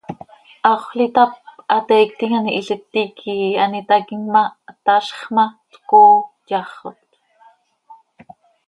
Haxöl itáp, hateiictim an ihiliti quih an itaquim ma, tazx ma, tcooo yaxot.